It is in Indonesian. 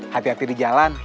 hati hati di jalan